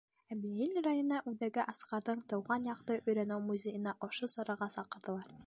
Әбйәлил районы үҙәге Асҡарҙың тыуған яҡты өйрәнеү музейына ошо сараға саҡырҙылар.